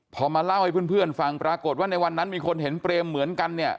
พอมาเล่าให้เพื่อนฟังปรากฏว่าในวันนั้นมีคนเห็นเปรมเหมือนกันเนี่ย